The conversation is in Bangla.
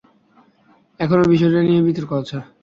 এখনও বিষয়টা নিয়ে বিতর্ক আছে।